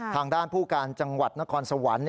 ทางด้านผู้การจังหวัดนครสวรรค์